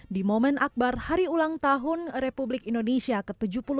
di momen akbar hari ulang tahun republik indonesia ke tujuh puluh tiga